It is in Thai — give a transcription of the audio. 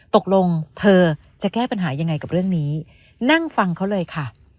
ตกลงเธอจะแก้ปัญหายังไงกับเรื่องนี้นั่งฟังเขาเลยค่ะ